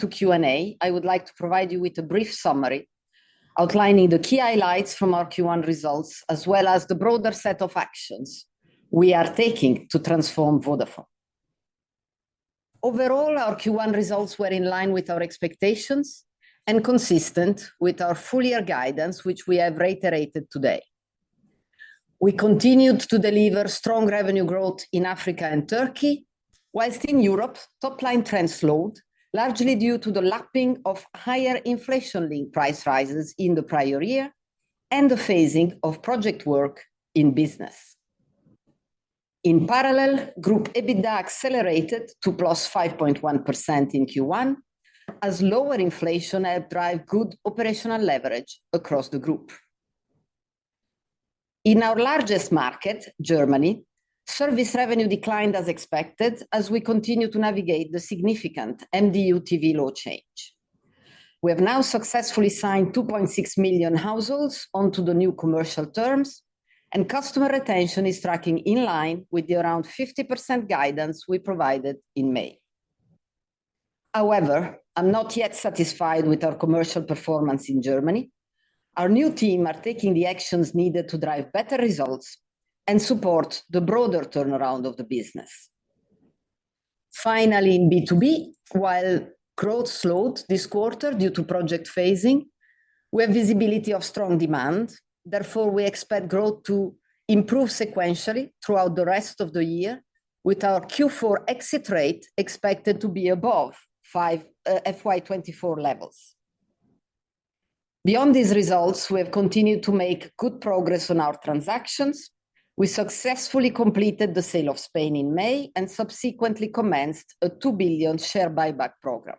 To Q&A, I would like to provide you with a brief summary outlining the key highlights from our Q1 results, as well as the broader set of actions we are taking to transform Vodafone. Overall, our Q1 results were in line with our expectations and consistent with our full-year guidance, which we have reiterated today. We continued to deliver strong revenue growth in Africa and Turkey, while in Europe, top-line trends slowed, largely due to the lapping of higher inflation-linked price rises in the prior year and the phasing of project work in business. In parallel, Group EBITDA accelerated to +5.1% in Q1, as lower inflation helped drive good operational leverage across the group. In our largest market, Germany, service revenue declined as expected, as we continue to navigate the significant MDU TV law change. We have now successfully signed 2.6 million households onto the new commercial terms, and customer retention is tracking in line with the around 50% guidance we provided in May. However, I'm not yet satisfied with our commercial performance in Germany. Our new team is taking the actions needed to drive better results and support the broader turnaround of the business. Finally, in B2B, while growth slowed this quarter due to project phasing, we have visibility of strong demand. Therefore, we expect growth to improve sequentially throughout the rest of the year, with our Q4 exit rate expected to be above FY 2024 levels. Beyond these results, we have continued to make good progress on our transactions. We successfully completed the sale of Spain in May and subsequently commenced a 2 billion share buyback program.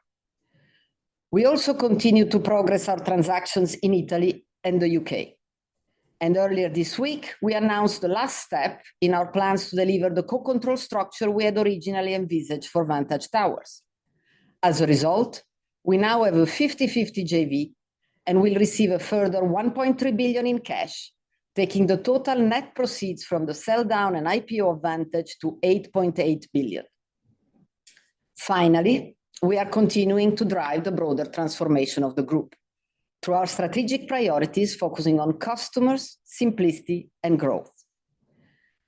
We also continue to progress our transactions in Italy and the UK. Earlier this week, we announced the last step in our plans to deliver the co-control structure we had originally envisaged for Vantage Towers. As a result, we now have a 50/50 JV and will receive a further 1.3 billion in cash, taking the total net proceeds from the sell-down and IPO Vantage to 8.8 billion. Finally, we are continuing to drive the broader transformation of the group through our strategic priorities focusing on customers, simplicity, and growth.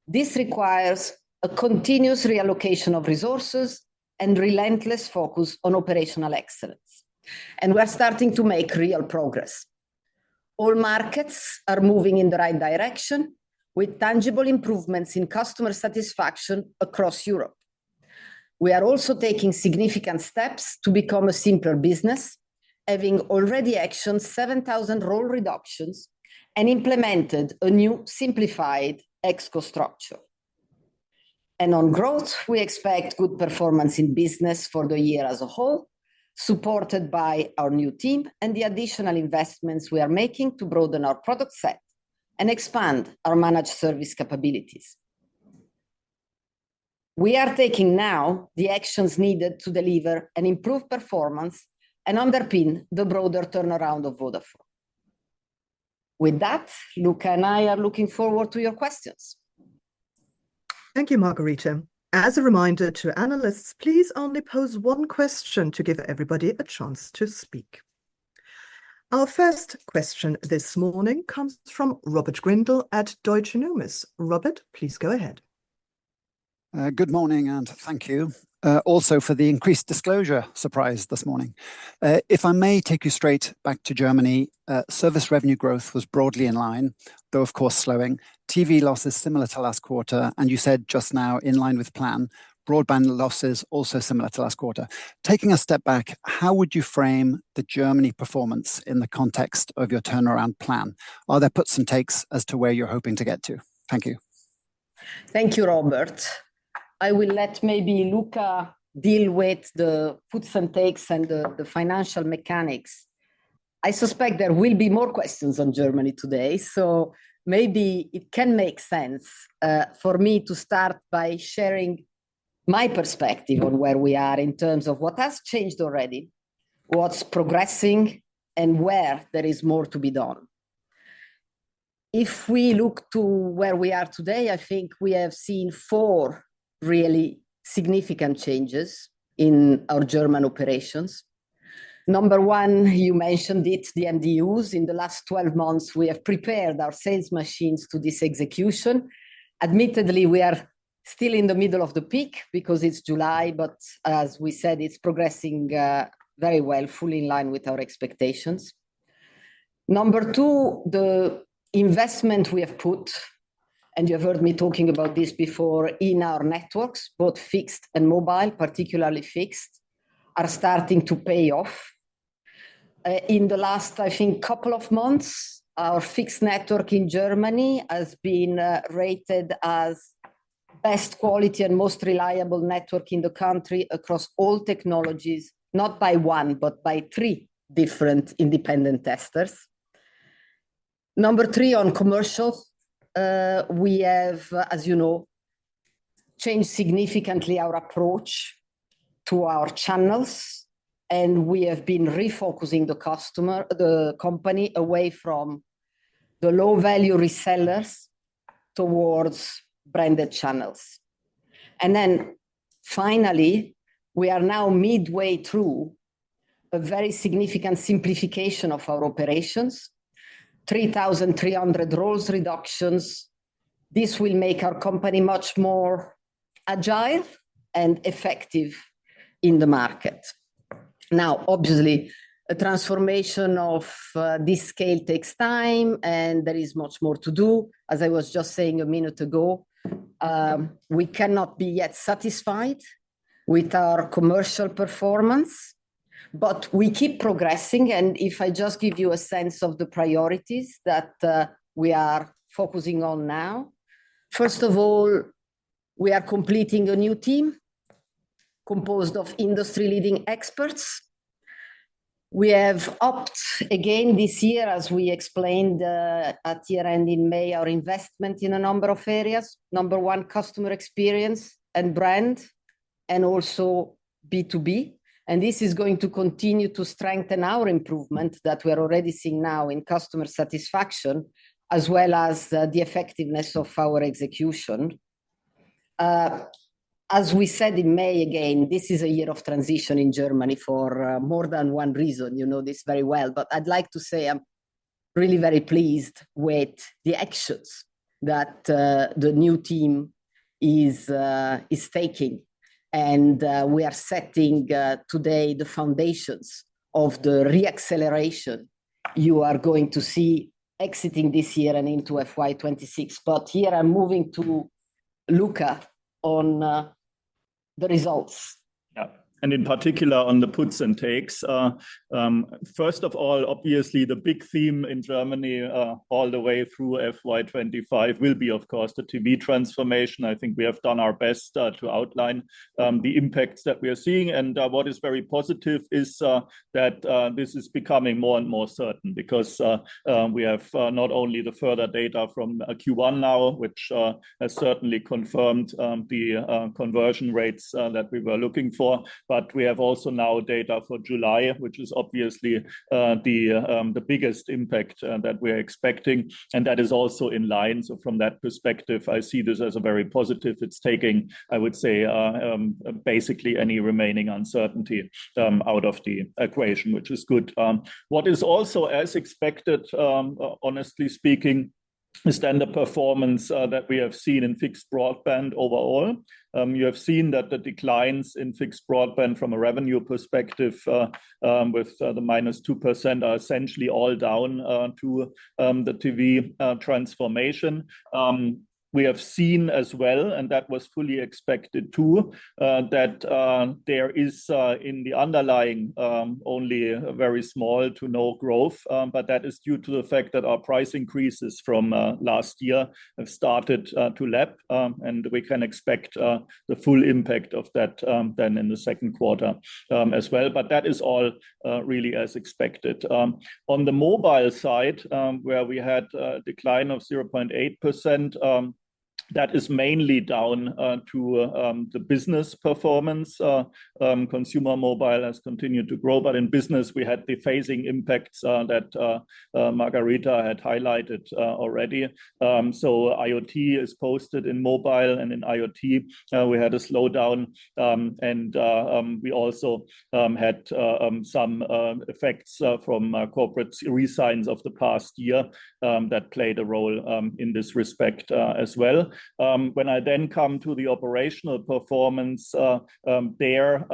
This requires a continuous reallocation of resources and relentless focus on operational excellence. We're starting to make real progress. All markets are moving in the right direction, with tangible improvements in customer satisfaction across Europe. We are also taking significant steps to become a simpler business, having already actioned 7,000 role reductions and implemented a new simplified ExCo structure. On growth, we expect good performance in business for the year as a whole, supported by our new team and the additional investments we are making to broaden our product set and expand our managed service capabilities. We are taking now the actions needed to deliver an improved performance and underpin the broader turnaround of Vodafone. With that, Luka and I are looking forward to your questions. Thank you, Margherita. As a reminder to analysts, please only pose one question to give everybody a chance to speak. Our first question this morning comes from Robert Grindle at Deutsche Numis. Robert, please go ahead. Good morning, and thank you also for the increased disclosure surprise this morning. If I may take you straight back to Germany, service revenue growth was broadly in line, though of course slowing. TV losses similar to last quarter, and you said just now, in line with plan, broadband losses also similar to last quarter. Taking a step back, how would you frame the Germany performance in the context of your turnaround plan? Are there puts and takes as to where you're hoping to get to? Thank you. Thank you, Robert. I will let maybe Luka deal with the puts and takes and the financial mechanics. I suspect there will be more questions on Germany today, so maybe it can make sense for me to start by sharing my perspective on where we are in terms of what has changed already, what's progressing, and where there is more to be done. If we look to where we are today, I think we have seen four really significant changes in our German operations. Number one, you mentioned it, the MDUs. In the last 12 months, we have prepared our sales machines to this execution. Admittedly, we are still in the middle of the peak because it's July, but as we said, it's progressing very well, fully in line with our expectations. Number two, the investment we have put, and you have heard me talking about this before in our networks, both fixed and mobile, particularly fixed, are starting to pay off. In the last, I think, couple of months, our fixed network in Germany has been rated as best quality and most reliable network in the country across all technologies, not by one, but by three different independent testers. Number three, on commercials, we have, as you know, changed significantly our approach to our channels, and we have been refocusing the company away from the low-value resellers towards branded channels. And then finally, we are now midway through a very significant simplification of our operations: 3,300 roles reductions. This will make our company much more agile and effective in the market. Now, obviously, a transformation of this scale takes time, and there is much more to do. As I was just saying a minute ago, we cannot be yet satisfied with our commercial performance, but we keep progressing. And if I just give you a sense of the priorities that we are focusing on now, first of all, we are completing a new team composed of industry-leading experts. We have upped again this year, as we explained at year-end in May, our investment in a number of areas. Number one, customer experience and brand, and also B2B. And this is going to continue to strengthen our improvement that we're already seeing now in customer satisfaction, as well as the effectiveness of our execution. As we said in May, again, this is a year of transition in Germany for more than one reason. You know this very well, but I'd like to say I'm really very pleased with the actions that the new team is taking. We are setting today the foundations of the reacceleration you are going to see exiting this year and into FY26. Here I'm moving to Luka on the results. Yeah, and in particular on the puts and takes. First of all, obviously, the big theme in Germany all the way through FY25 will be, of course, the TV transformation. I think we have done our best to outline the impacts that we are seeing. What is very positive is that this is becoming more and more certain because we have not only the further data from Q1 now, which has certainly confirmed the conversion rates that we were looking for, but we have also now data for July, which is obviously the biggest impact that we're expecting. And that is also in line. From that perspective, I see this as very positive. It's taking, I would say, basically any remaining uncertainty out of the equation, which is good. What is also, as expected, honestly speaking, is then the performance that we have seen in fixed broadband overall. You have seen that the declines in fixed broadband from a revenue perspective, with the -2%, are essentially all down to the TV transformation. We have seen as well, and that was fully expected too, that there is in the underlying only very small to no growth, but that is due to the fact that our price increases from last year have started to lap. We can expect the full impact of that then in the Q2 as well. That is all really as expected. On the mobile side, where we had a decline of 0.8%, that is mainly down to the business performance. Consumer mobile has continued to grow, but in business, we had the phasing impacts that Margherita had highlighted already. So IoT is posted in mobile, and in IoT, we had a slowdown, and we also had some effects from corporate re-signs of the past year that played a role in this respect as well. When I then come to the operational performance there,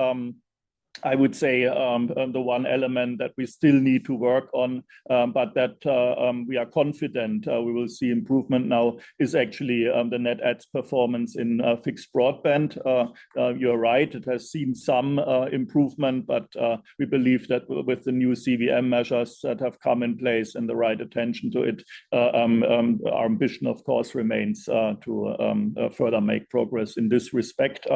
I would say the one element that we still need to work on, but that we are confident we will see improvement now, is actually the net adds performance in fixed broadband. You're right, it has seen some improvement, but we believe that with the new CVM measures that have come in place and the right attention to it, our ambition, of course, remains to further make progress in this respect.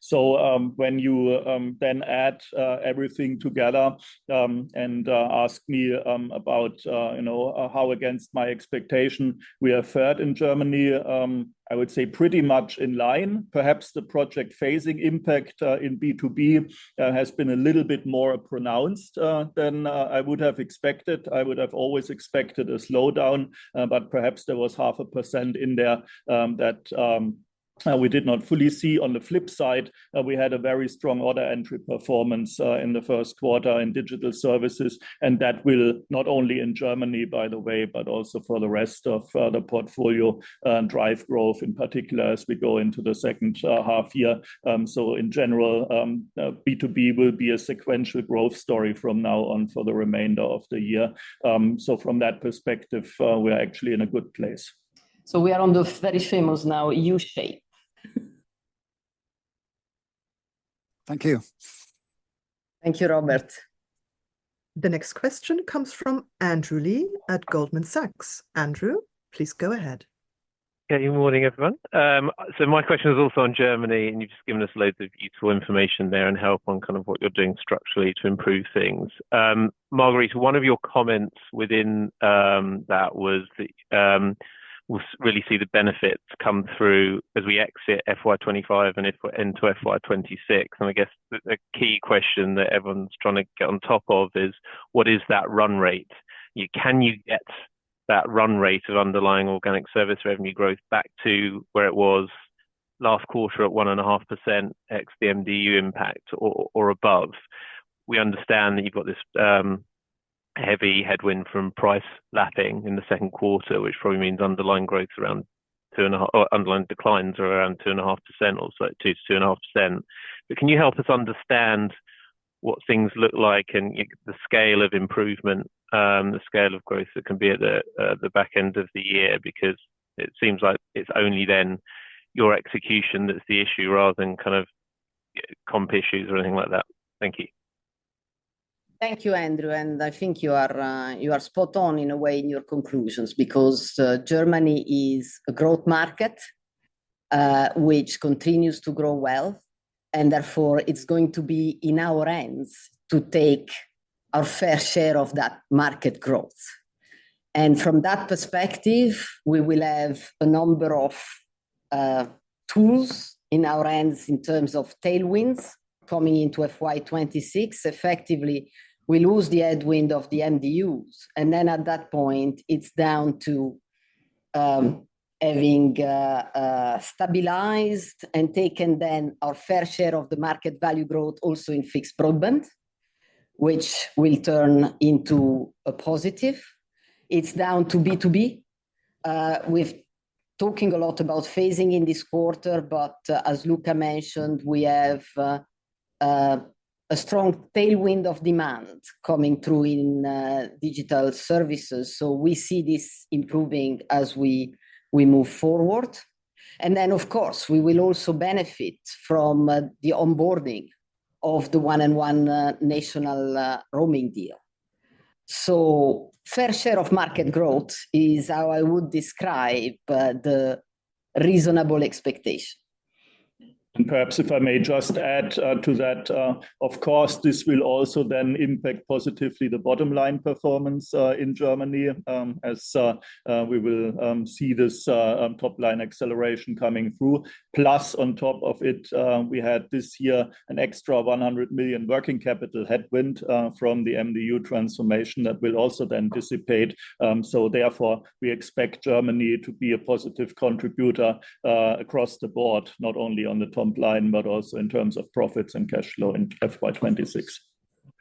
So when you then add everything together and ask me about how against my expectation we are fared in Germany, I would say pretty much in line. Perhaps the project phasing impact in B2B has been a little bit more pronounced than I would have expected. I would have always expected a slowdown, but perhaps there was 0.5% in there that we did not fully see. On the flip side, we had a very strong order entry performance in the Q1 in digital services, and that will not only in Germany, by the way, but also for the rest of the portfolio and drive growth in particular as we go into the H2 year. So in general, B2B will be a sequential growth story from now on for the remainder of the year. So from that perspective, we're actually in a good place. So we are on the very famous now U-shape. Thank you. Thank you, Robert. The next question comes from Andrew Lee at Goldman Sachs. Andrew, please go ahead. Yeah, good morning, everyone. So my question is also on Germany, and you've just given us loads of useful information there and help on kind of what you're doing structurally to improve things. Margherita, one of your comments within that was that we really see the benefits come through as we exit FY25 and into FY26. And I guess the key question that everyone's trying to get on top of is what is that run rate? Can you get that run rate of underlying organic service revenue growth back to where it was last quarter at 1.5% ex the MDU impact or above? We understand that you've got this heavy headwind from price lapping in the Q2, which probably means underlying growths around 2.5% or underlying declines are around 2.5% or 2%-2.5%. But can you help us understand what things look like and the scale of improvement, the scale of growth that can be at the back end of the year? Because it seems like it's only then your execution that's the issue rather than kind of comp issues or anything like that. Thank you. Thank you, Andrew. I think you are spot on in a way in your conclusions because Germany is a growth market, which continues to grow well, and therefore it's going to be in our hands to take our fair share of that market growth. From that perspective, we will have a number of tools in our hands in terms of tailwinds coming into FY26. Effectively, we lose the headwind of the MDUs. Then at that point, it's down to having stabilized and taken then our fair share of the market value growth also in fixed broadband, which will turn into a positive. It's down to B2B. We're talking a lot about phasing in this quarter, but as Luka mentioned, we have a strong tailwind of demand coming through in digital services. So we see this improving as we move forward. And then, of course, we will also benefit from the onboarding of the 1&1 national roaming deal. So fair share of market growth is how I would describe the reasonable expectation. Perhaps if I may just add to that, of course, this will also then impact positively the bottom line performance in Germany as we will see this top line acceleration coming through. Plus, on top of it, we had this year an extra 100 million working capital headwind from the MDU transformation that will also then dissipate. So therefore, we expect Germany to be a positive contributor across the board, not only on the top line, but also in terms of profits and cash flow in FY26.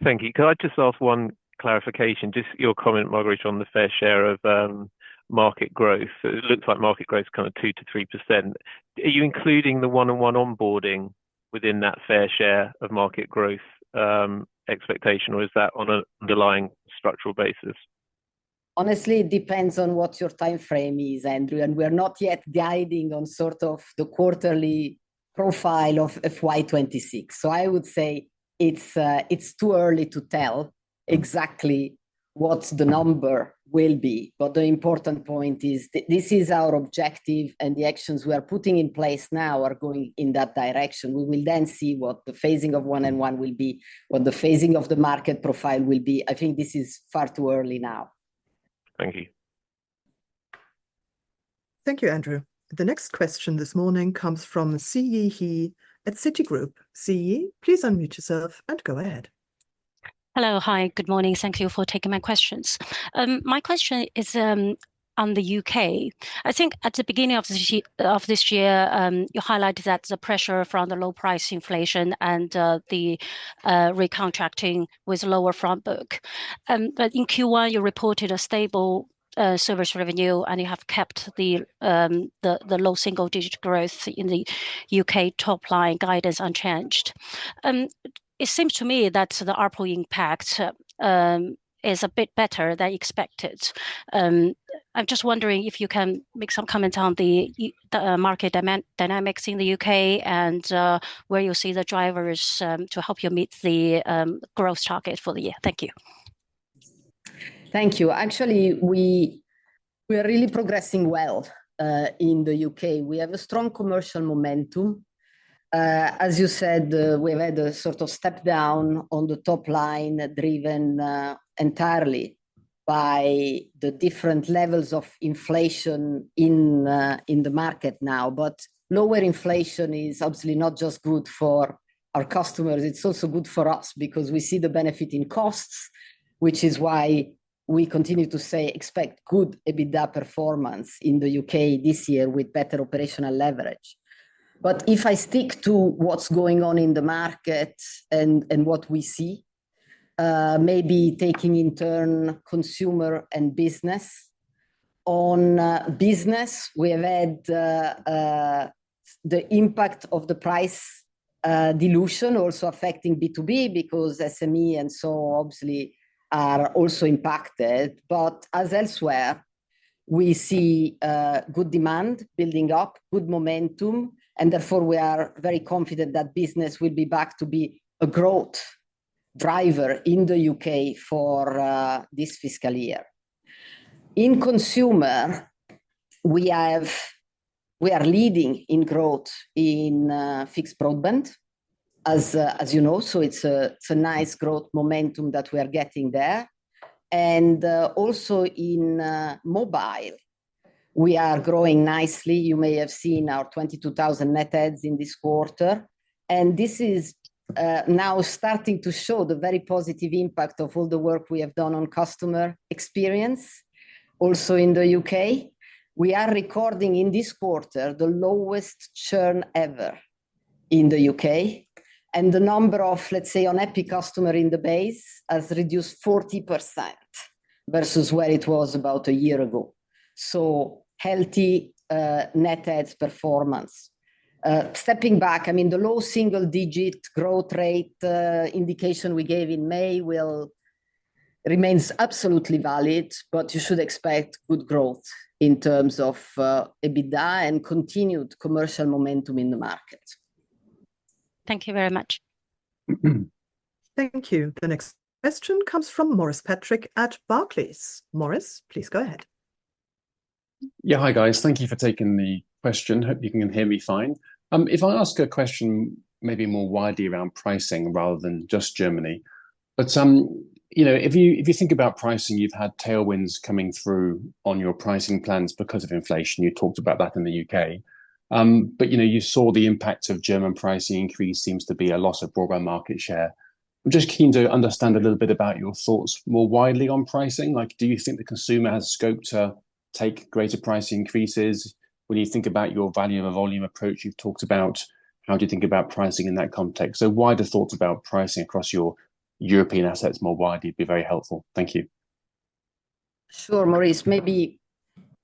Thank you. Can I just ask one clarification? Just your comment, Margherita, on the fair share of market growth. It looks like market growth is kind of 2%-3%. Are you including the 1&1 onboarding within that fair share of market growth expectation, or is that on an underlying structural basis? Honestly, it depends on what your time frame is, Andrew. We're not yet guiding on sort of the quarterly profile of FY26. So I would say it's too early to tell exactly what the number will be. But the important point is this is our objective, and the actions we are putting in place now are going in that direction. We will then see what the phasing of 1&1 will be, what the phasing of the market profile will be. I think this is far too early now. Thank you. Thank you, Andrew. The next question this morning comes from Siyi He at Citi. Siyi, please unmute yourself and go ahead. Hello, hi, good morning. Thank you for taking my questions. My question is on the UK. I think at the beginning of this year, you highlighted that the pressure from the low price inflation and the recontracting with lower front book. But in Q1, you reported a stable service revenue, and you have kept the low single-digit growth in the UK top line guidance unchanged. It seems to me that the output impact is a bit better than expected. I'm just wondering if you can make some comments on the market dynamics in the UK and where you see the drivers to help you meet the growth target for the year. Thank you. Thank you. Actually, we are really progressing well in the UK. We have a strong commercial momentum. As you said, we have had a sort of step down on the top line driven entirely by the different levels of inflation in the market now. But lower inflation is obviously not just good for our customers. It's also good for us because we see the benefit in costs, which is why we continue to say expect good EBITDA performance in the UK this year with better operational leverage. But if I stick to what's going on in the market and what we see, maybe taking in turn consumer and business. On business, we have had the impact of the price dilution also affecting B2B because SME and so obviously are also impacted. But as elsewhere, we see good demand building up, good momentum, and therefore we are very confident that business will be back to be a growth driver in the UK for this fiscal year. In consumer, we are leading in growth in fixed broadband, as you know. So it's a nice growth momentum that we are getting there. And also in mobile, we are growing nicely. You may have seen our 22,000 net adds in this quarter. And this is now starting to show the very positive impact of all the work we have done on customer experience also in the UK. We are recording in this quarter the lowest churn ever in the UK. And the number of, let's say, unhappy customers in the base has reduced 40% versus where it was about a year ago. So healthy net adds performance. Stepping back, I mean, the low single-digit growth rate indication we gave in May remains absolutely valid, but you should expect good growth in terms of EBITDA and continued commercial momentum in the market. Thank you very much. Thank you. The next question comes from Maurice Patrick at Barclays. Maurice, please go ahead. Yeah, hi guys. Thank you for taking the question. Hope you can hear me fine. If I ask a question, maybe more widely around pricing rather than just Germany, but if you think about pricing, you've had tailwinds coming through on your pricing plans because of inflation. You talked about that in the UK. But you saw the impact of German pricing increase seems to be a loss of broadband market share. I'm just keen to understand a little bit about your thoughts more widely on pricing. Do you think the consumer has scope to take greater price increases when you think about your value of a volume approach you've talked about? How do you think about pricing in that context? So wider thoughts about pricing across your European assets more widely would be very helpful. Thank you. Sure, Maurice.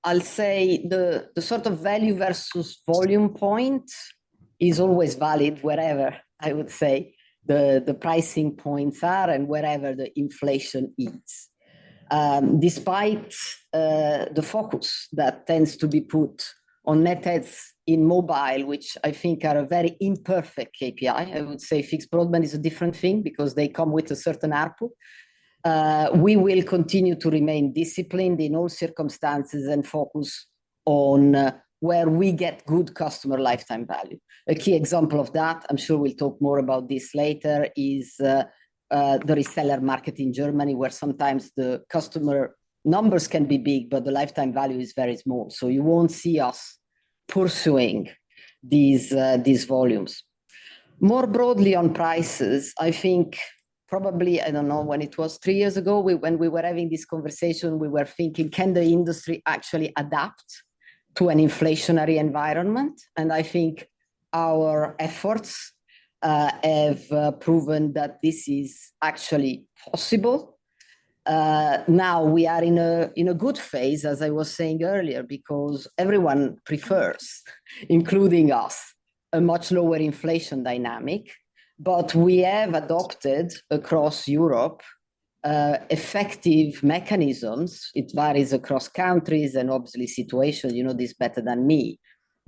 Maybe I'll say the sort of value versus volume point is always valid wherever, I would say, the pricing points are and wherever the inflation is. Despite the focus that tends to be put on net adds in mobile, which I think are a very imperfect KPI, I would say fixed broadband is a different thing because they come with a certain output. We will continue to remain disciplined in all circumstances and focus on where we get good customer lifetime value. A key example of that, I'm sure we'll talk more about this later, is the reseller market in Germany where sometimes the customer numbers can be big, but the lifetime value is very small. So you won't see us pursuing these volumes. More broadly on prices, I think probably, I don't know, when it was three years ago, when we were having this conversation, we were thinking, can the industry actually adapt to an inflationary environment? I think our efforts have proven that this is actually possible. Now we are in a good phase, as I was saying earlier, because everyone prefers, including us, a much lower inflation dynamic. We have adopted across Europe effective mechanisms. It varies across countries and obviously situations. You know this better than me,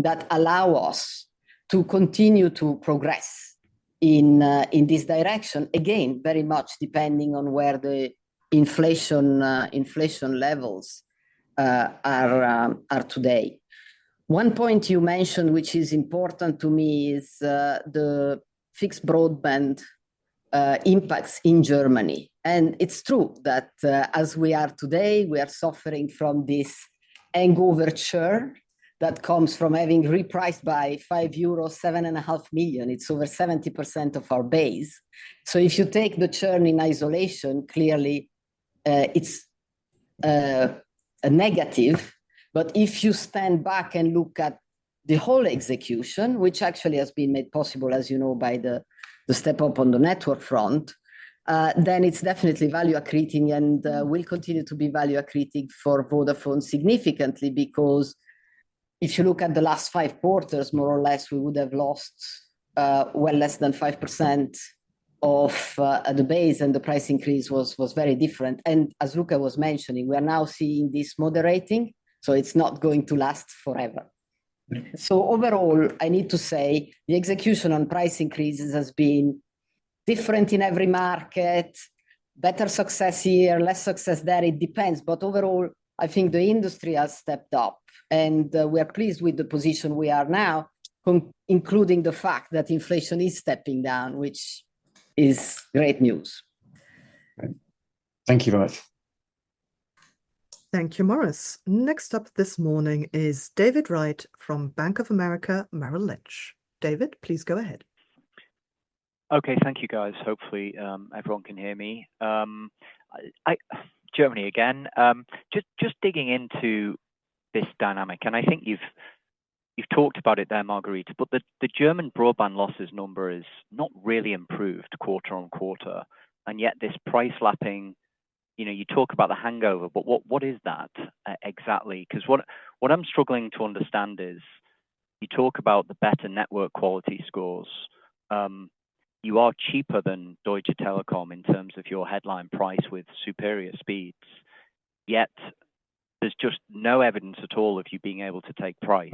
that allow us to continue to progress in this direction, again, very much depending on where the inflation levels are today. One point you mentioned, which is important to me, is the fixed broadband impacts in Germany. It's true that as we are today, we are suffering from this angle overture that comes from having repriced by 5 euros, 7.5 million. It's over 70% of our base. So if you take the churn in isolation, clearly it's a negative. But if you stand back and look at the whole execution, which actually has been made possible, as you know, by the step up on the network front, then it's definitely value accreting and will continue to be value accreting for Vodafone significantly because if you look at the last five quarters, more or less, we would have lost well less than 5% of the base and the price increase was very different. And as Luka was mentioning, we are now seeing this moderating, so it's not going to last forever. So overall, I need to say the execution on price increases has been different in every market, better success here, less success there. It depends. But overall, I think the industry has stepped up and we are pleased with the position we are now, including the fact that inflation is stepping down, which is great news. Thank you very much. Thank you, Maurice. Next up this morning is David Wright from Bank of America Merrill Lynch. David, please go ahead. Okay, thank you guys. Hopefully everyone can hear me. Germany again. Just digging into this dynamic, and I think you've talked about it there, Margherita, but the German broadband losses number has not really improved quarter-on-quarter. And yet this price lapping, you talk about the hangover, but what is that exactly? Because what I'm struggling to understand is you talk about the better network quality scores. You are cheaper than Deutsche Telekom in terms of your headline price with superior speeds. Yet there's just no evidence at all of you being able to take price.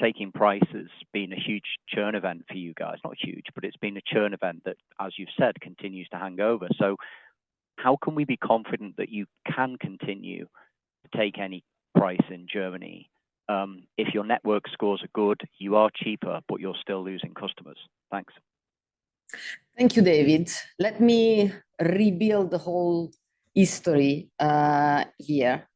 Taking price has been a huge churn event for you guys. Not huge, but it's been a churn event that, as you've said, continues to hang over. So how can we be confident that you can continue to take any price in Germany? If your network scores are good, you are cheaper, but you're still losing customers. Thanks. Thank you, David. Let me rebuild the whole history here.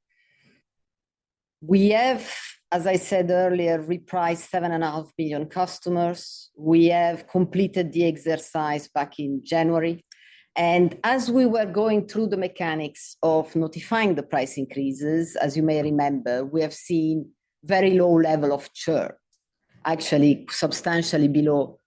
We have, as I said earlier, repriced 7.5 million customers. We have completed the exercise back in January. As we were going through the mechanics of notifying the price increases, as you may remember, we have seen very low level of churn, actually substantially below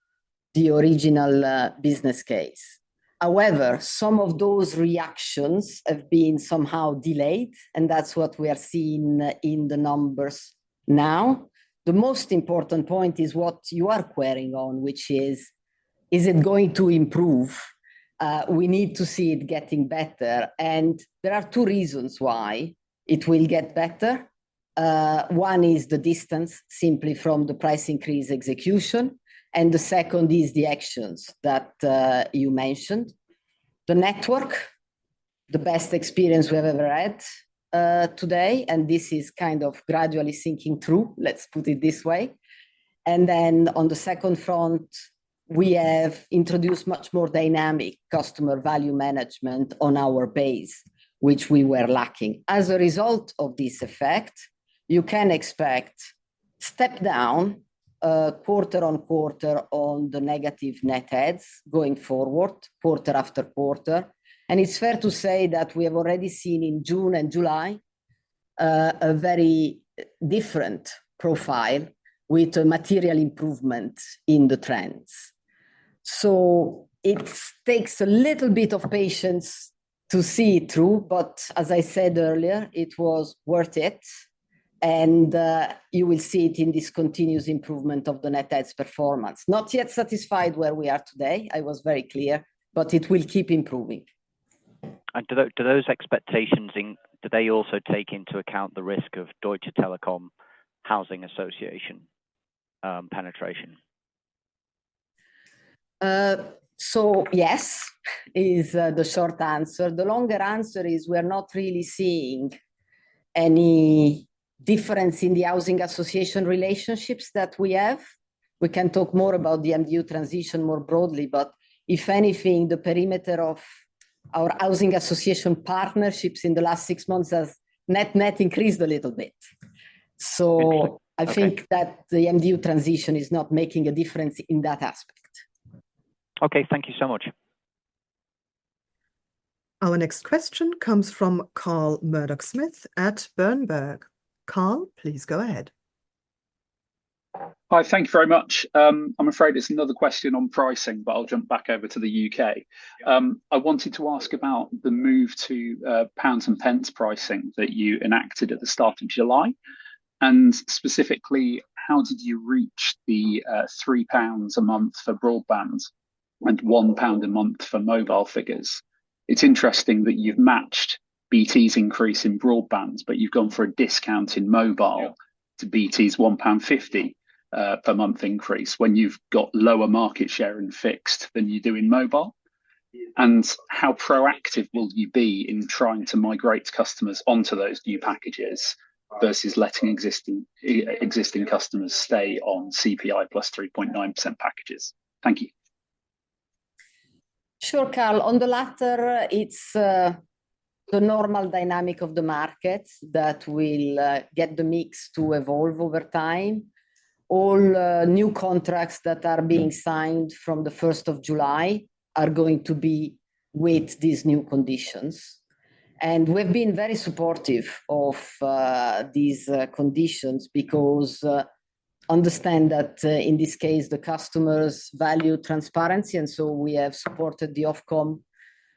the original business case. However, some of those reactions have been somehow delayed, and that's what we are seeing in the numbers now. The most important point is what you are querying on, which is, is it going to improve? We need to see it getting better. There are two reasons why it will get better. One is the distance simply from the price increase execution. The second is the actions that you mentioned. The network, the best experience we have ever had today, and this is kind of gradually sinking through, let's put it this way. And then on the second front, we have introduced much more dynamic customer value management on our base, which we were lacking. As a result of this effect, you can expect step down quarter-on-quarter on the negative net adds going forward, quarter after quarter. And it's fair to say that we have already seen in June and July a very different profile with material improvements in the trends. So it takes a little bit of patience to see it through, but as I said earlier, it was worth it. And you will see it in this continuous improvement of the net adds performance. Not yet satisfied where we are today. I was very clear, but it will keep improving. Do those expectations, do they also take into account the risk of Deutsche Telekom housing association penetration? Yes is the short answer. The longer answer is we are not really seeing any difference in the housing association relationships that we have. We can talk more about the MDU transition more broadly, but if anything, the perimeter of our housing association partnerships in the last six months has net net increased a little bit. I think that the MDU transition is not making a difference in that aspect. Okay, thank you so much. Our next question comes from Carl Murdoch-Smith at Berenberg. Carl, please go ahead. Hi, thank you very much. I'm afraid it's another question on pricing, but I'll jump back over to the UK. I wanted to ask about the move to pounds and pence pricing that you enacted at the start of July. And specifically, how did you reach the 3 pounds a month for broadband and 1 pound a month for mobile figures? It's interesting that you've matched BT's increase in broadband, but you've gone for a discount in mobile to BT's 1.50 pound per month increase when you've got lower market share in fixed than you do in mobile. And how proactive will you be in trying to migrate customers onto those new packages versus letting existing customers stay on CPI plus 3.9% packages? Thank you. Sure, Carl. On the latter, it's the normal dynamic of the market that will get the mix to evolve over time. All new contracts that are being signed from the 1st of July are going to be with these new conditions. We have been very supportive of these conditions because we understand that in this case, the customers value transparency. So we have supported the Ofcom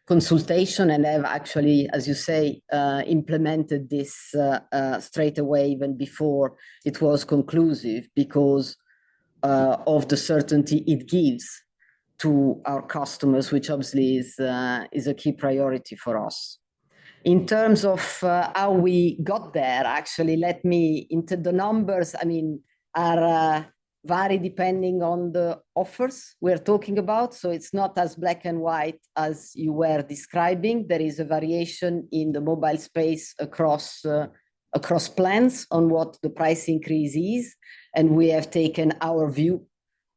consultation and have actually, as you say, implemented this straight away even before it was conclusive because of the certainty it gives to our customers, which obviously is a key priority for us. In terms of how we got there, actually, let me say the numbers, I mean, are varied depending on the offers we are talking about. So it's not as black and white as you were describing. There is a variation in the mobile space across plans on what the price increase is. We have taken our view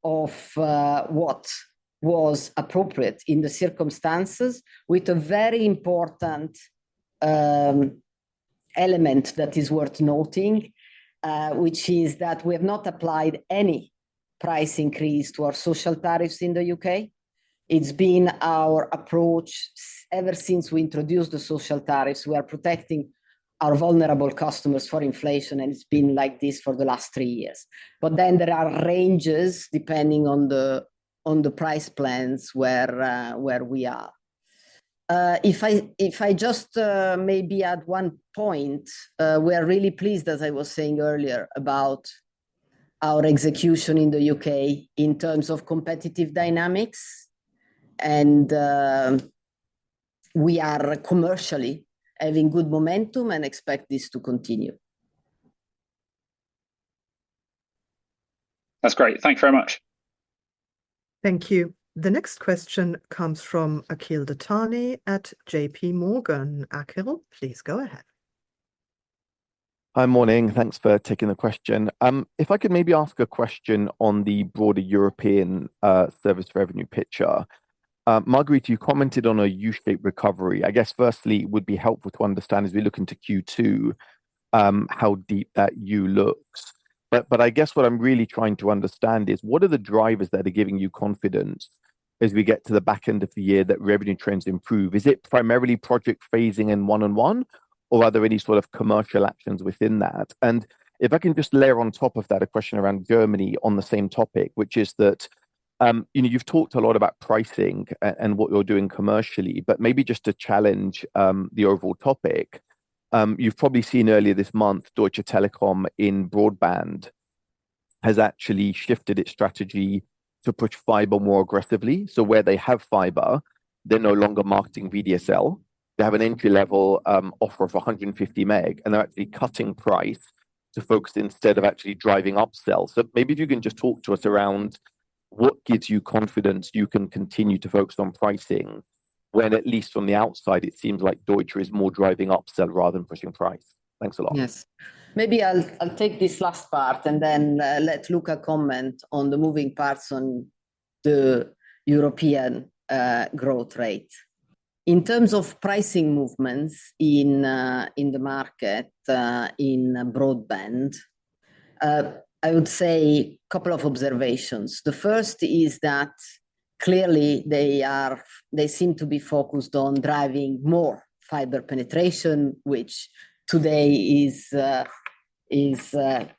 of what was appropriate in the circumstances with a very important element that is worth noting, which is that we have not applied any price increase to our social tariffs in the UK. It's been our approach ever since we introduced the social tariffs. We are protecting our vulnerable customers for inflation, and it's been like this for the last three years. Then there are ranges depending on the price plans where we are. If I just maybe add one point, we are really pleased, as I was saying earlier, about our execution in the UK in terms of competitive dynamics. We are commercially having good momentum and expect this to continue. That's great. Thanks very much. Thank you. The next question comes from Akhil Dattani at J.P. Morgan. Akhil, please go ahead. Hi, morning. Thanks for taking the question. If I could maybe ask a question on the broader European service revenue picture. Margherita, you commented on a U-shaped recovery. I guess firstly, it would be helpful to understand as we look into Q2 how deep that U looks. But I guess what I'm really trying to understand is what are the drivers that are giving you confidence as we get to the back end of the year that revenue trends improve? Is it primarily project phasing and 1&1, or are there any sort of commercial actions within that? If I can just layer on top of that a question around Germany on the same topic, which is that you've talked a lot about pricing and what you're doing commercially, but maybe just to challenge the overall topic, you've probably seen earlier this month Deutsche Telekom in broadband has actually shifted its strategy to push fiber more aggressively. So where they have fiber, they're no longer marketing VDSL. They have an entry-level offer of 150 meg, and they're actually cutting price to focus instead of actually driving upsell. So maybe if you can just talk to us around what gives you confidence you can continue to focus on pricing when at least on the outside, it seems like Deutsche is more driving upsell rather than pushing price. Thanks a lot. Yes. Maybe I'll take this last part and then let Luka comment on the moving parts on the European growth rate. In terms of pricing movements in the market in broadband, I would say a couple of observations. The first is that clearly they seem to be focused on driving more fiber penetration, which today is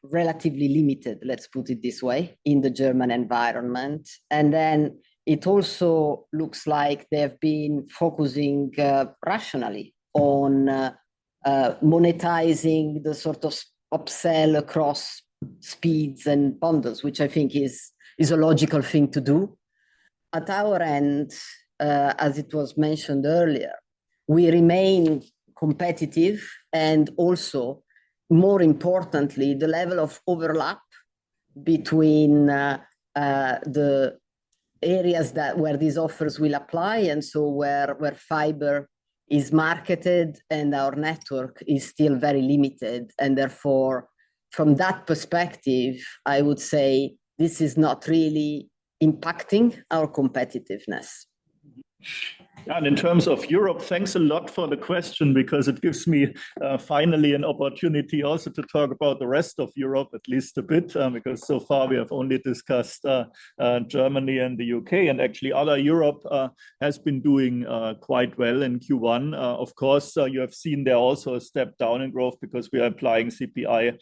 relatively limited, let's put it this way, in the German environment. And then it also looks like they have been focusing rationally on monetizing the sort of upsell across speeds and bundles, which I think is a logical thing to do. At our end, as it was mentioned earlier, we remain competitive and also, more importantly, the level of overlap between the areas where these offers will apply and so where fiber is marketed and our network is still very limited. Therefore, from that perspective, I would say this is not really impacting our competitiveness. In terms of Europe, thanks a lot for the question because it gives me finally an opportunity also to talk about the rest of Europe at least a bit because so far we have only discussed Germany and the UK and actually other Europe has been doing quite well in Q1. Of course, you have seen there also a step down in growth because we are applying CPI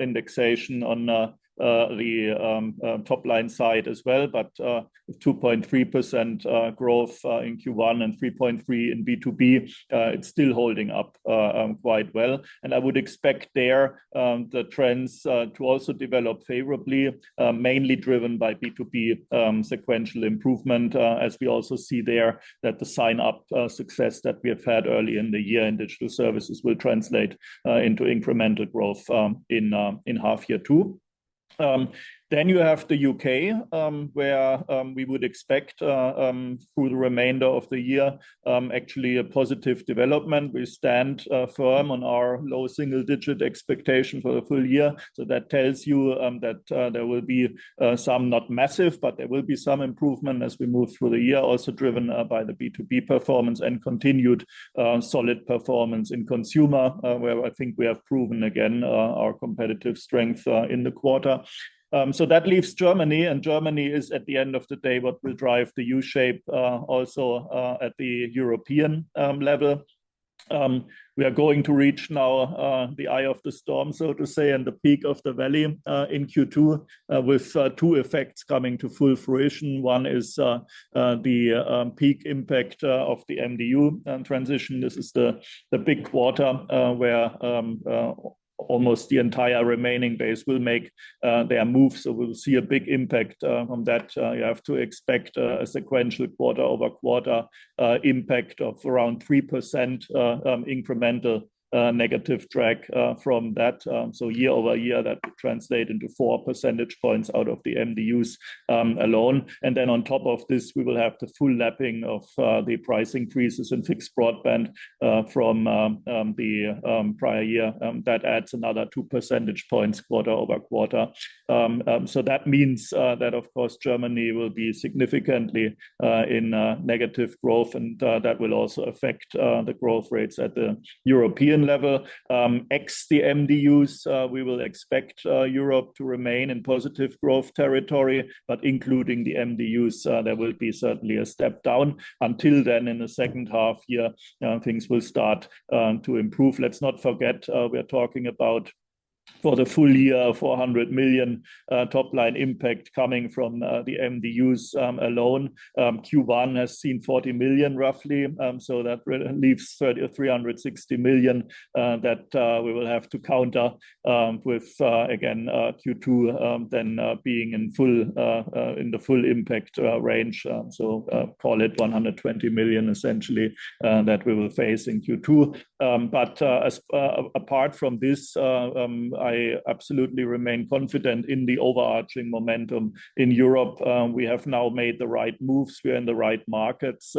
indexation on the top line side as well, but 2.3% growth in Q1 and 3.3% in B2B, it's still holding up quite well. And I would expect there the trends to also develop favorably, mainly driven by B2B sequential improvement as we also see there that the sign-up success that we have had early in the year in digital services will translate into incremental growth in half year two. Then you have the UK where we would expect through the remainder of the year actually a positive development. We stand firm on our low single-digit expectation for the full year. So that tells you that there will be some not massive, but there will be some improvement as we move through the year also driven by the B2B performance and continued solid performance in consumer where I think we have proven again our competitive strength in the quarter. So that leaves Germany and Germany is at the end of the day what will drive the U-shape also at the European level. We are going to reach now the eye of the storm, so to say, and the peak of the valley in Q2 with two effects coming to full fruition. One is the peak impact of the MDU transition. This is the big quarter where almost the entire remaining base will make their move. So we'll see a big impact on that. You have to expect a sequential quarter-over-quarter impact of around 3% incremental negative track from that. So year-over-year, that would translate into 4 percentage points out of the MDUs alone. And then on top of this, we will have the full lapping of the price increases in fixed broadband from the prior year. That adds another 2 percentage points quarter-over-quarter. So that means that, of course, Germany will be significantly in negative growth and that will also affect the growth rates at the European level. Ex the MDUs, we will expect Europe to remain in positive growth territory, but including the MDUs, there will be certainly a step down. Until then, in the H2 year, things will start to improve. Let's not forget we are talking about for the full year, 400 million top line impact coming from the MDUs alone. Q1 has seen 40 million roughly. So that leaves 360 million that we will have to counter with, again, Q2 then being in the full impact range. So call it 120 million essentially that we will face in Q2. But apart from this, I absolutely remain confident in the overarching momentum in Europe. We have now made the right moves. We are in the right markets.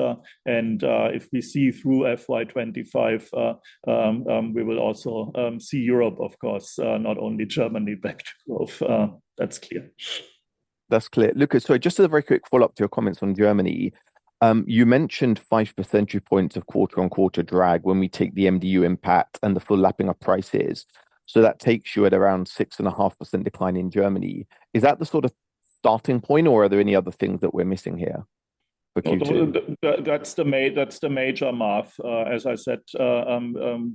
And if we see through FY25, we will also see Europe, of course, not only Germany back to growth. That's clear. That's clear. Luka, sorry, just as a very quick follow-up to your comments on Germany, you mentioned 5 percentage points of quarter-on-quarter drag when we take the MDU impact and the full lapping of prices. So that takes you at around 6.5% decline in Germany. Is that the sort of starting point or are there any other things that we're missing here for Q2? That's the major mark. As I said,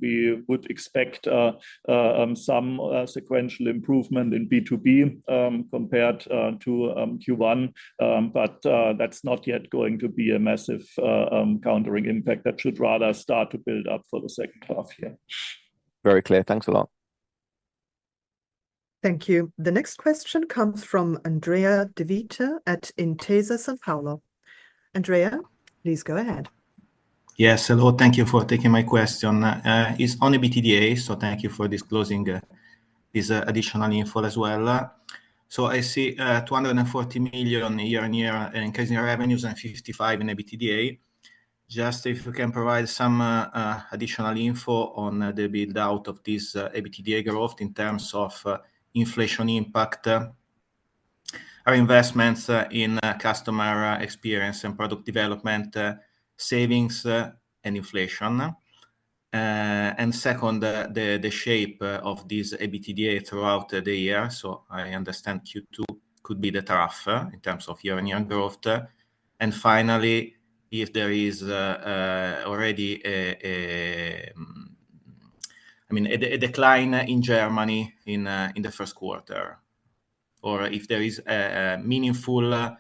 we would expect some sequential improvement in B2B compared to Q1, but that's not yet going to be a massive countering impact. That should rather start to build up for the H2 year. Very clear. Thanks a lot. Thank you. The next question comes from Andrea De Vita at Intesa Sanpaolo. Andrea, please go ahead. Yes, hello. Thank you for taking my question. It's only EBITDA, so thank you for disclosing this additional info as well. So I see 240 million year-on-year increase in revenues and 55 million in EBITDA. Just if you can provide some additional info on the build-out of this EBITDA growth in terms of inflation impact, our investments in customer experience and product development, savings and inflation. And second, the shape of this EBITDA throughout the year. So I understand Q2 could be the trough in terms of year-on-year growth. And finally, if there is already, I mean, a decline in Germany in the Q1 or if there is a meaningful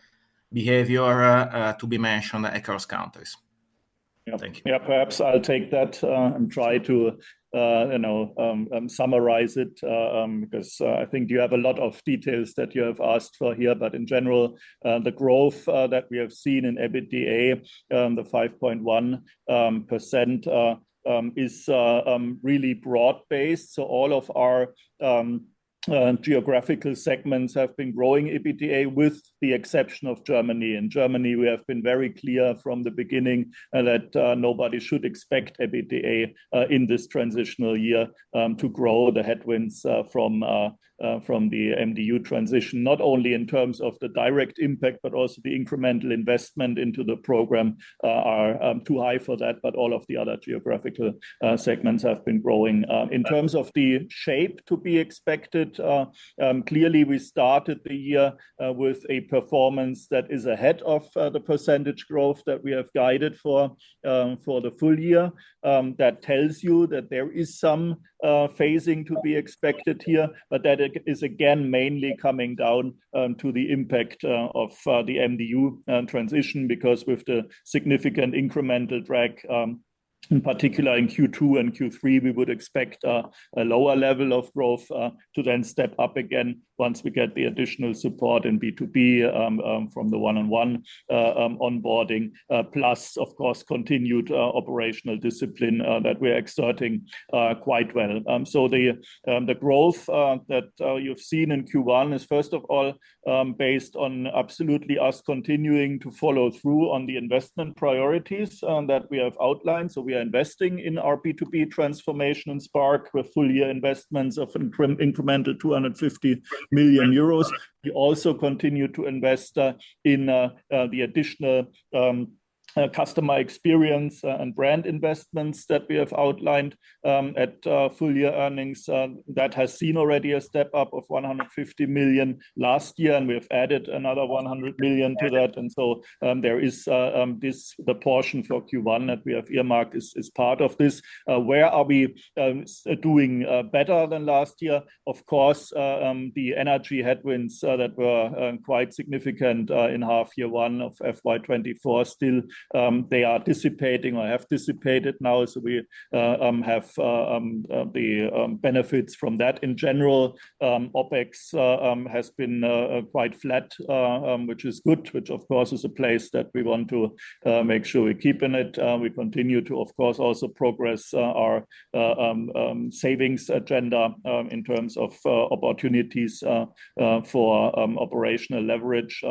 behavior to be mentioned across countries. Yeah, perhaps I'll take that and try to summarize it because I think you have a lot of details that you have asked for here, but in general, the growth that we have seen in EBITDA, the 5.1% is really broad-based. So all of our geographical segments have been growing EBITDA with the exception of Germany. In Germany, we have been very clear from the beginning that nobody should expect EBITDA in this transitional year to grow; the headwinds from the MDU transition, not only in terms of the direct impact, but also the incremental investment into the program, are too high for that, but all of the other geographical segments have been growing. In terms of the shape to be expected, clearly we started the year with a performance that is ahead of the percentage growth that we have guided for the full year. That tells you that there is some phasing to be expected here, but that is again mainly coming down to the impact of the MDU transition because with the significant incremental drag, in particular in Q2 and Q3, we would expect a lower level of growth to then step up again once we get the additional support in B2B from the 1&1 onboarding, plus of course continued operational discipline that we are exerting quite well. The growth that you've seen in Q1 is first of all based on absolutely us continuing to follow through on the investment priorities that we have outlined. We are investing in our B2B transformation and Spark with full year investments of incremental 250 million euros. We also continue to invest in the additional customer experience and brand investments that we have outlined at full year earnings. That has seen already a step up of 150 million last year and we have added another 100 million to that. So there is the portion for Q1 that we have earmarked is part of this. Where are we doing better than last year? Of course, the energy headwinds that were quite significant in half year one of FY 2024 still, they are dissipating or have dissipated now. So we have the benefits from that. In general, OPEX has been quite flat, which is good, which of course is a place that we want to make sure we keep in it. We continue to, of course, also progress our savings agenda in terms of opportunities for operational leverage.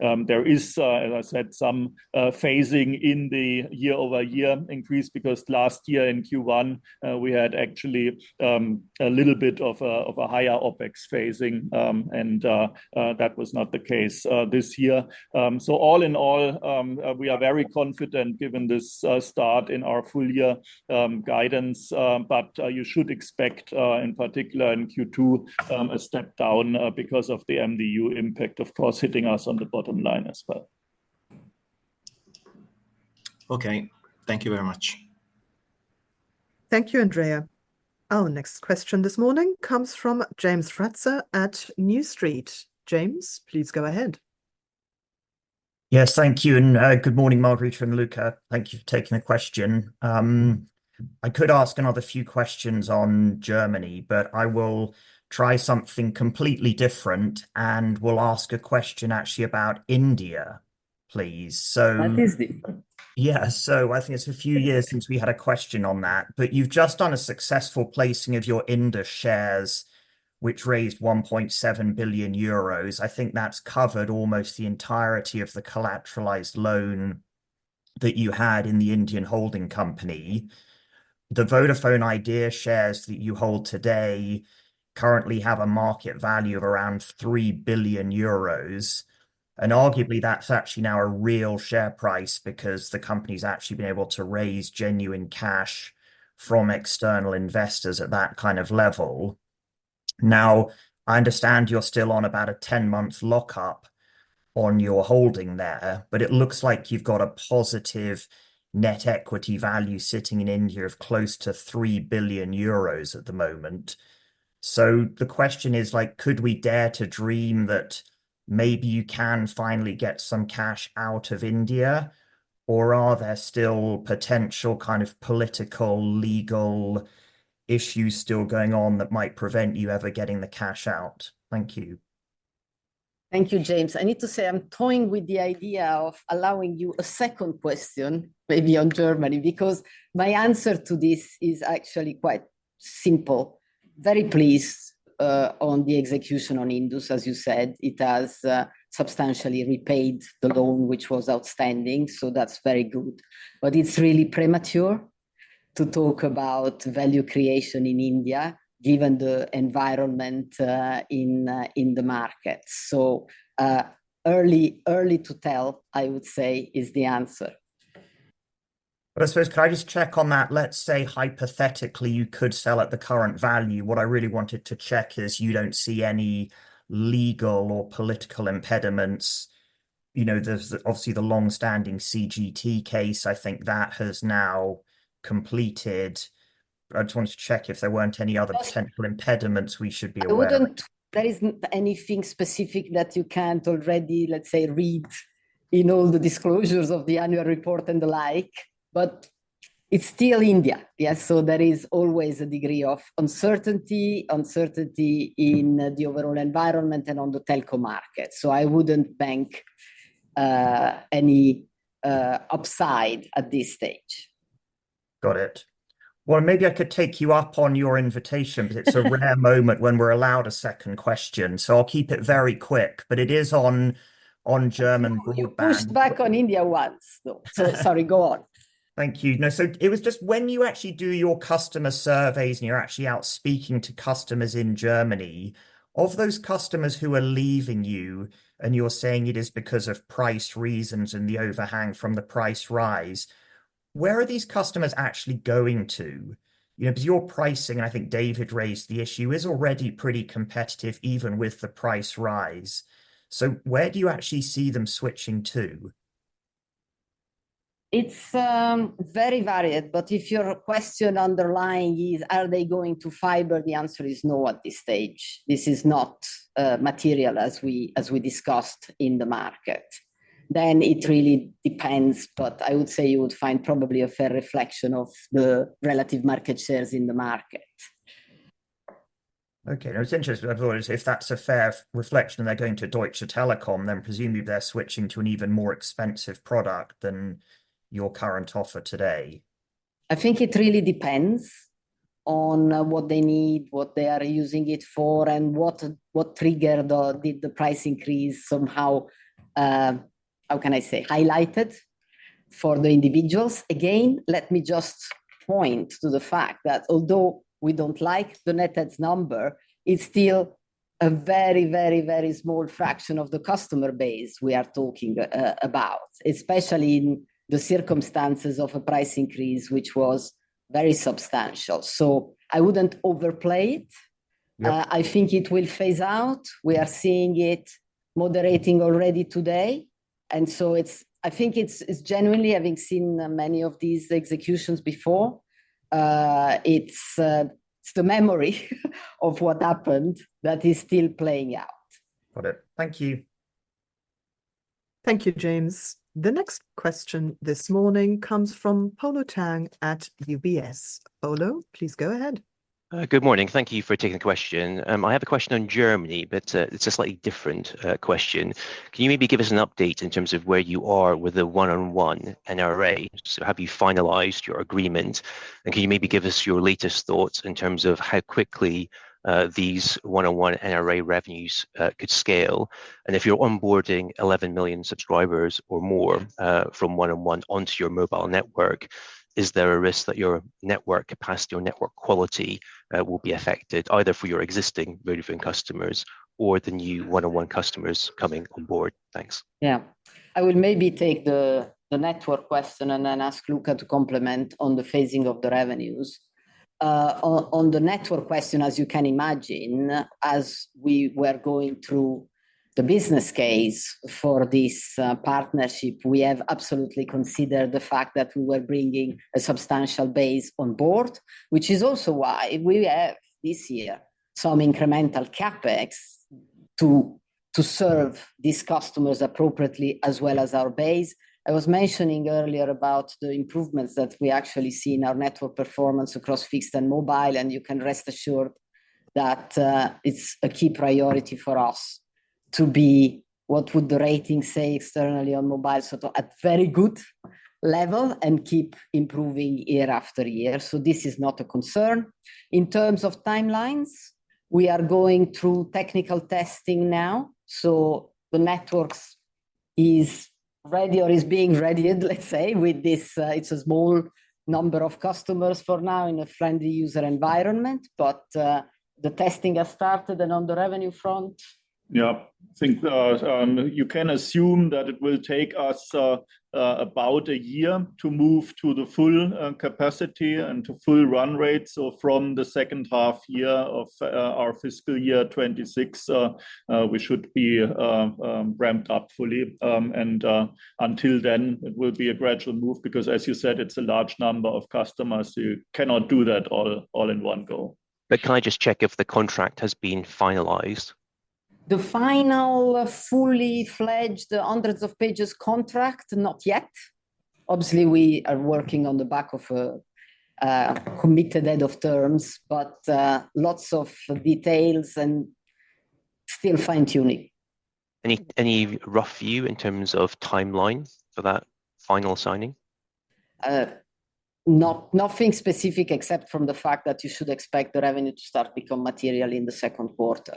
There is, as I said, some phasing in the year-over-year increase because last year in Q1, we had actually a little bit of a higher OPEX phasing and that was not the case this year. So all in all, we are very confident given this start in our full-year guidance, but you should expect in particular in Q2 a step down because of the MDU impact, of course, hitting us on the bottom line as well. Okay. Thank you very much. Thank you, Andrea. Our next question this morning comes from James Ratzer at New Street. James, please go ahead. Yes, thank you. Good morning, Margherita and Luka. Thank you for taking the question. I could ask another few questions on Germany, but I will try something completely different and we'll ask a question actually about India, please. That is the. Yeah. So I think it's a few years since we had a question on that, but you've just done a successful placing of your India shares, which raised 1.7 billion euros. I think that's covered almost the entirety of the collateralized loan that you had in the Indian holding company. The Vodafone Idea shares that you hold today currently have a market value of around 3 billion euros. And arguably that's actually now a real share price because the company's actually been able to raise genuine cash from external investors at that kind of level. Now, I understand you're still on about a 10-month lockup on your holding there, but it looks like you've got a positive net equity value sitting in India of close to 3 billion euros at the moment. So the question is, could we dare to dream that maybe you can finally get some cash out of India or are there still potential kind of political, legal issues still going on that might prevent you ever getting the cash out? Thank you. Thank you, James. I need to say I'm toying with the idea of allowing you a second question maybe on Germany because my answer to this is actually quite simple. Very pleased on the execution on Indus, as you said. It has substantially repaid the loan, which was outstanding. So that's very good. But it's really premature to talk about value creation in India given the environment in the market. So early to tell, I would say, is the answer. But I suppose can I just check on that? Let's say hypothetically you could sell at the current value. What I really wanted to check is you don't see any legal or political impediments. You know, there's obviously the longstanding CGT case. I think that has now completed. I just wanted to check if there weren't any other potential impediments we should be aware of. There isn't anything specific that you can't already, let's say, read in all the disclosures of the annual report and the like, but it's still India. Yes. So there is always a degree of uncertainty, uncertainty in the overall environment and on the telco market. So I wouldn't bank any upside at this stage. Got it. Well, maybe I could take you up on your invitation, but it's a rare moment when we're allowed a second question. So I'll keep it very quick, but it is on German broadband. Pushed back on India once. Sorry, go on. Thank you. No, so it was just when you actually do your customer surveys and you're actually out speaking to customers in Germany, of those customers who are leaving you and you're saying it is because of price reasons and the overhang from the price rise, where are these customers actually going to? Because your pricing, and I think David raised the issue, is already pretty competitive even with the price rise. So where do you actually see them switching to? It's very varied, but if your underlying question is, are they going to fiber, the answer is no at this stage. This is not material as we discussed in the market. Then it really depends, but I would say you would find probably a fair reflection of the relative market shares in the market. Okay. No, it's interesting. I thought I'd say if that's a fair reflection and they're going to Deutsche Telekom, then presumably they're switching to an even more expensive product than your current offer today. I think it really depends on what they need, what they are using it for, and what triggered the price increase somehow, how can I say, highlighted for the individuals. Again, let me just point to the fact that although we don't like the netted number, it's still a very, very, very small fraction of the customer base we are talking about, especially in the circumstances of a price increase, which was very substantial. So I wouldn't overplay it. I think it will phase out. We are seeing it moderating already today. And so I think it's genuinely, having seen many of these executions before, it's the memory of what happened that is still playing out. Got it. Thank you. Thank you, James. The next question this morning comes from Polo Tang at UBS. Polo, please go ahead. Good morning. Thank you for taking the question. I have a question on Germany, but it's a slightly different question. Can you maybe give us an update in terms of where you are with the 1&1 NRA? So have you finalized your agreement? And can you maybe give us your latest thoughts in terms of how quickly these 1&1 NRA revenues could scale? And if you're onboarding 11 million subscribers or more from 1&1 onto your mobile network, is there a risk that your network capacity or network quality will be affected either for your existing Vodafone customers or the new 1&1 customers coming on board? Thanks. Yeah. I would maybe take the network question and then ask Luka to comment on the phasing of the revenues. On the network question, as you can imagine, as we were going through the business case for this partnership, we have absolutely considered the fact that we were bringing a substantial base on board, which is also why we have this year some incremental CapEx to serve these customers appropriately as well as our base. I was mentioning earlier about the improvements that we actually see in our network performance across fixed and mobile, and you can rest assured that it's a key priority for us to be what would the rating say externally on mobile, sort of at very good level and keep improving year after year. So this is not a concern. In terms of timelines, we are going through technical testing now. The networks is ready or is being readied, let's say, with this. It's a small number of customers for now in a friendly user environment, but the testing has started and on the revenue front. Yeah. I think you can assume that it will take us about a year to move to the full capacity and to full run rate. So from the H2 year of our fiscal year 2026, we should be ramped up fully. And until then, it will be a gradual move because, as you said, it's a large number of customers. You cannot do that all in one go. Can I just check if the contract has been finalized? The final fully fledged hundreds of pages contract, not yet. Obviously, we are working on the back of a committed end of terms, but lots of details and still fine-tuning. Any rough view in terms of timeline for that final signing? Nothing specific except from the fact that you should expect the revenue to start become material in the Q2.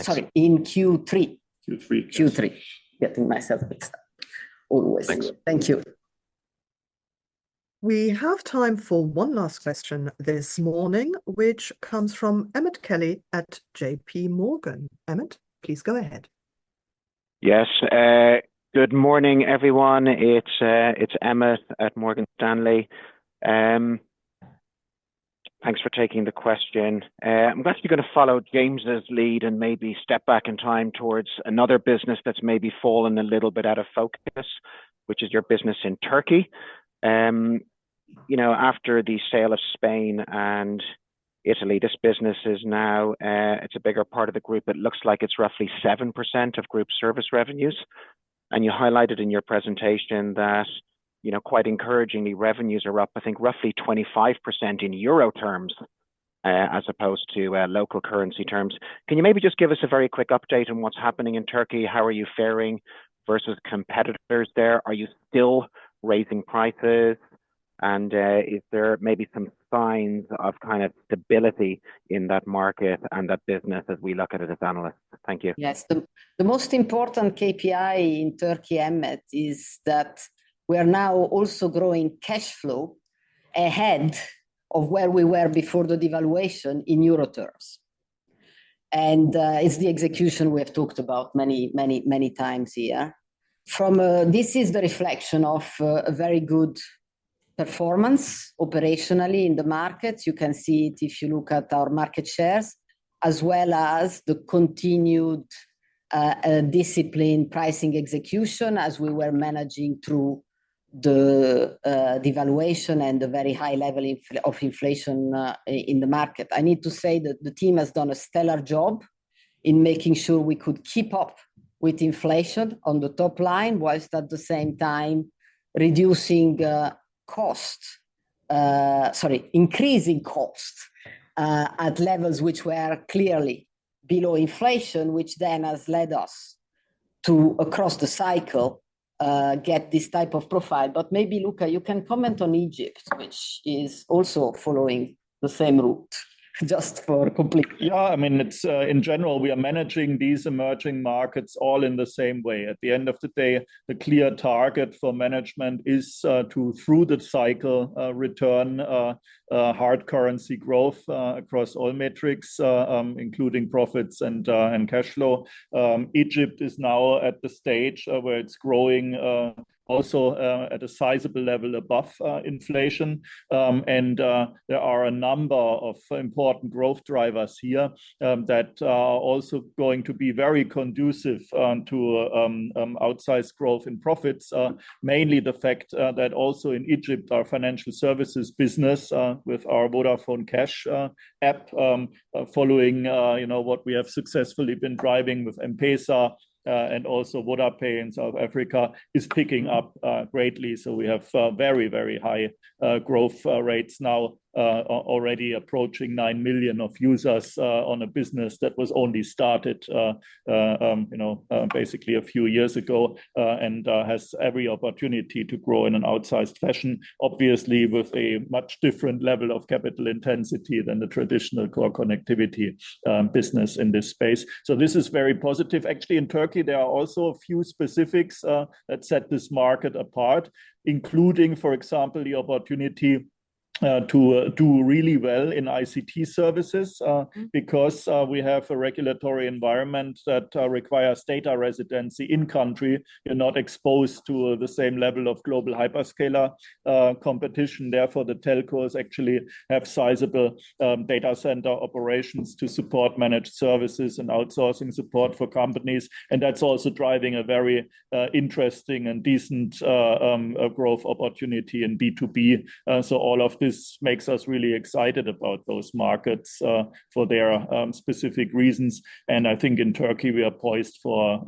Sorry, in Q3. Q3. Q3. Getting myself mixed up always. Thank you. We have time for one last question this morning, which comes from Emmet Kelly at Morgan Stanley. Emmet, please go ahead. Yes. Good morning, everyone. It's Emmet at Morgan Stanley. Thanks for taking the question. I'm going to follow James's lead and maybe step back in time towards another business that's maybe fallen a little bit out of focus, which is your business in Turkey. After the sale of Spain and Italy, this business is now, it's a bigger part of the group, it looks like it's roughly 7% of group service revenues. And you highlighted in your presentation that quite encouragingly, revenues are up, I think roughly 25% in euro terms as opposed to local currency terms. Can you maybe just give us a very quick update on what's happening in Turkey? How are you faring versus competitors there? Are you still raising prices? And is there maybe some signs of kind of stability in that market and that business as we look at it as analysts? Thank you. Yes. The most important KPI in Turkey, Emmet, is that we are now also growing cash flow ahead of where we were before the devaluation in euro terms. It's the execution we have talked about many, many, many times here. This is the reflection of a very good performance operationally in the markets. You can see it if you look at our market shares, as well as the continued discipline, pricing execution as we were managing through the devaluation and the very high level of inflation in the market. I need to say that the team has done a stellar job in making sure we could keep up with inflation on the top line, whilst at the same time reducing costs, sorry, increasing costs at levels which were clearly below inflation, which then has led us to, across the cycle, get this type of profile. But maybe Luka, you can comment on Egypt, which is also following the same route, just for completeness. Yeah. I mean, in general, we are managing these emerging markets all in the same way. At the end of the day, the clear target for management is to, through the cycle, return hard currency growth across all metrics, including profits and cash flow. Egypt is now at the stage where it's growing also at a sizable level above inflation. And there are a number of important growth drivers here that are also going to be very conducive to outsized growth in profits. Mainly the fact that also in Egypt, our financial services business with our Vodafone Cash app, following what we have successfully been driving with M-Pesa and also VodaPay in South Africa, is picking up greatly. So we have very, very high growth rates now, already approaching nine million users on a business that was only started basically a few years ago and has every opportunity to grow in an outsized fashion, obviously with a much different level of capital intensity than the traditional core connectivity business in this space. So this is very positive. Actually, in Turkey, there are also a few specifics that set this market apart, including, for example, the opportunity to do really well in ICT services because we have a regulatory environment that requires data residency in country. You're not exposed to the same level of global hyperscaler competition. Therefore, the telcos actually have sizable data center operations to support managed services and outsourcing support for companies. And that's also driving a very interesting and decent growth opportunity in B2B. All of this makes us really excited about those markets for their specific reasons. I think in Turkey, we are poised for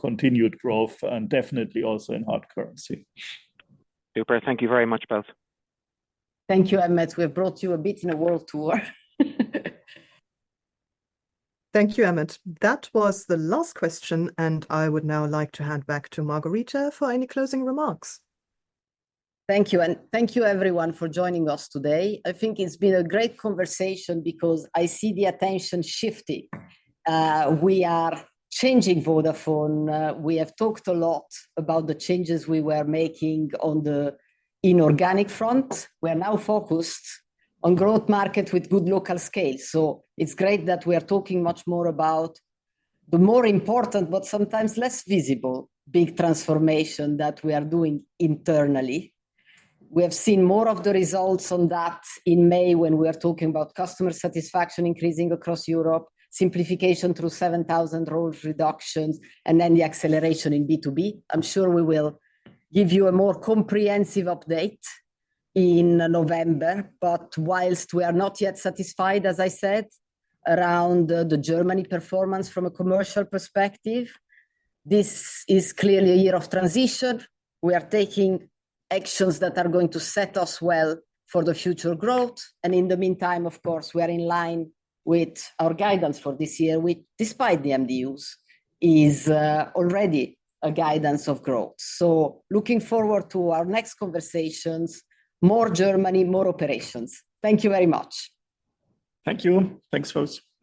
continued growth and definitely also in hard currency. Super. Thank you very much, both. Thank you, Emmet. We have brought you a bit of a world tour. Thank you, Emmet. That was the last question, and I would now like to hand back to Margherita for any closing remarks. Thank you. And thank you, everyone, for joining us today. I think it's been a great conversation because I see the attention shifting. We are changing Vodafone. We have talked a lot about the changes we were making on the inorganic front. We are now focused on growth market with good local scale. So it's great that we are talking much more about the more important, but sometimes less visible big transformation that we are doing internally. We have seen more of the results on that in May when we were talking about customer satisfaction increasing across Europe, simplification through 7,000 roles reductions, and then the acceleration in B2B. I'm sure we will give you a more comprehensive update in November. But whilst we are not yet satisfied, as I said, around the Germany performance from a commercial perspective, this is clearly a year of transition. We are taking actions that are going to set us well for the future growth. In the meantime, of course, we are in line with our guidance for this year, which, despite the MDUs, is already a guidance of growth. Looking forward to our next conversations, more Germany, more operations. Thank you very much. Thank you. Thanks, folks.